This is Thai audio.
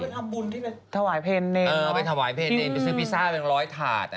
ทำบุญที่เป็นเออไปถวายเพลนเนนไปซื้อพิซซ่าเป็นร้อยถาด